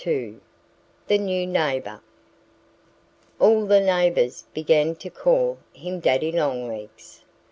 II THE NEW NEIGHBOR ALL the neighbors began to call him "Daddy Longlegs."